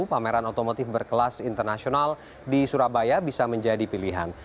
pameran otomotif berkelas internasional di surabaya bisa menjadi pilihan